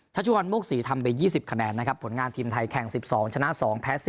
ชุวรรณโมกศรีทำไป๒๐คะแนนนะครับผลงานทีมไทยแข่ง๑๒ชนะ๒แพ้๑๐